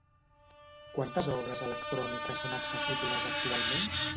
Quantes obres electròniques són accessibles actualment?